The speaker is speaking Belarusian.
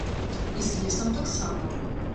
І з лесам таксама.